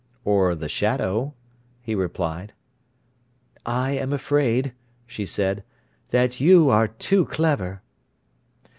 "Or the shadow," he replied. "I am afraid," she said, "that you are too clever."